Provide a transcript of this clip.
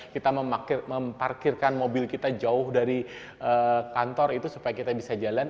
kita memparkirkan mobil kita jauh dari kantor itu supaya kita bisa jalan